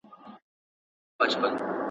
احمد شاه ابدالي څنګه د سفارتونو ارزښت درک کړ؟